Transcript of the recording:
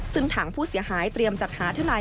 ซึ่งทางผู้เสียหายเตรียมจัดหาทนาย